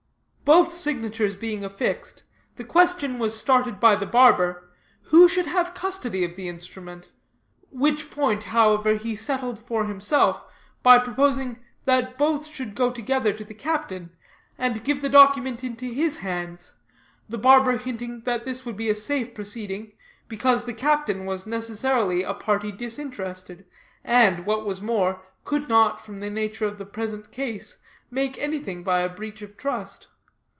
Both signatures being affixed, the question was started by the barber, who should have custody of the instrument; which point, however, he settled for himself, by proposing that both should go together to the captain, and give the document into his hands the barber hinting that this would be a safe proceeding, because the captain was necessarily a party disinterested, and, what was more, could not, from the nature of the present case, make anything by a breach of trust.